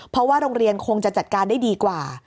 เพราะว่าโรงเรียนคงจะจัดการได้ดีกว่า